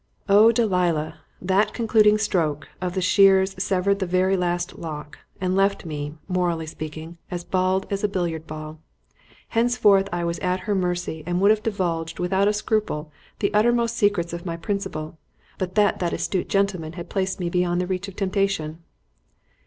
Oh! Delilah! That concluding stroke of the shears severed the very last lock, and left me morally speaking as bald as a billiard ball. Henceforth I was at her mercy and would have divulged, without a scruple, the uttermost secrets of my principal, but that that astute gentleman had placed me beyond the reach of temptation.